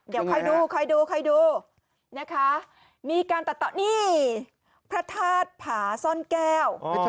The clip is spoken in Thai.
เดี๋ยวคอยดูคอยดูคอยดูนะคะมีการตัดต่อนี่พระธาตุผาซ่อนแก้ว